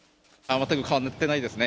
全く変わってないですね。